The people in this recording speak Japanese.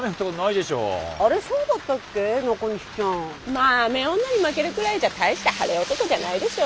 まあ雨女に負けるくらいじゃ大した晴れ男じゃないでしょ。